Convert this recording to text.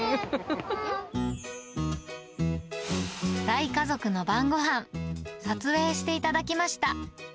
大家族の晩ごはん、撮影していただきました。